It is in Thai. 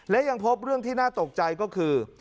และยังพบเรื่องที่น่าตกใจก็คือ